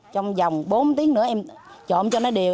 trong vòng bốn tiếng nữa em trộn cho nó đều